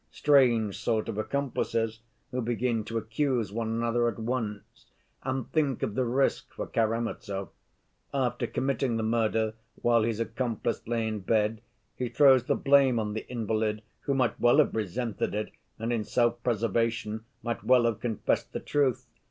Strange sort of accomplices who begin to accuse one another at once! And think of the risk for Karamazov. After committing the murder while his accomplice lay in bed, he throws the blame on the invalid, who might well have resented it and in self‐preservation might well have confessed the truth.